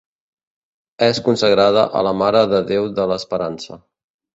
És consagrada a la Mare de Déu de l'Esperança.